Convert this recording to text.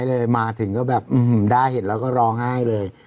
ซื้อเลยมาถึงก็แบบอือหือได้เห็นแล้วก็รอง่ายเลย